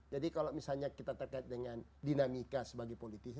jadi kalau misalnya kita terkait dengan dinamika sebagai politisi